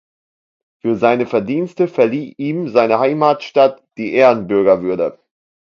Für seine Verdienste verlieh ihm seine Heimatstadt die Ehrenbürgerwürde.